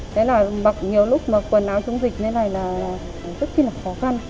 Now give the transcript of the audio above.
thế là nhiều lúc mà quần áo chống dịch thế này là rất là khó khăn